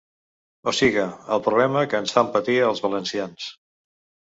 O siga, el problema que ens fan patir als valencians.